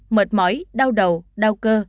mệt mỏi đau đầu đau cơ